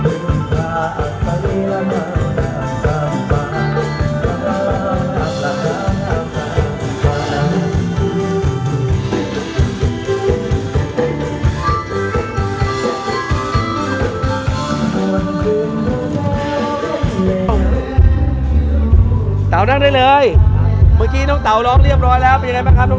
สิลปินก็เริ่มทยอยสร้างความสนุกให้กันแล้วแต่แน่นอนก็มีสิลปินอีกหลายคนที่รอขึ้นโชว์เราไปดูกันนะครับว่ามีใครกันบ้าง